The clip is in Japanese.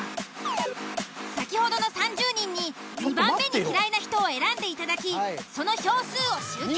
先ほどの３０人に２番目に嫌いな人を選んでいただきその票数を集計。